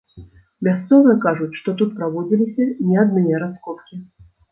Мясцовыя кажуць, што тут праводзіліся не адныя раскопкі.